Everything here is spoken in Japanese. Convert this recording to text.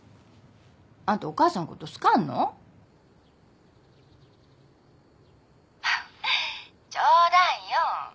あんたお母さんのこと好かんの？ははっ冗談よ。